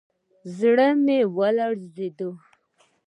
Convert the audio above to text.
زړه يې ولړزېد.